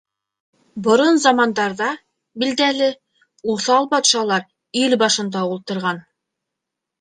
Борон замандарҙа, билдәле, уҫал батшалар ил башында ултырған.